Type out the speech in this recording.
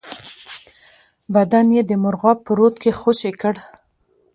بدن یې د مرغاب په رود کې خوشی کړ.